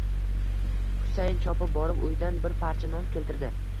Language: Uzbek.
Husayin chopib borib, uydan bir parcha non keltirdi.